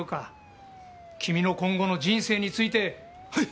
君の今後の人生について。